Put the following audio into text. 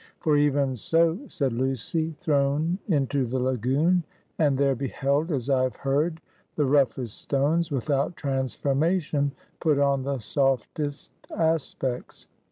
For even so, said Lucy, thrown into the Lagoon, and there beheld as I have heard the roughest stones, without transformation, put on the softest aspects.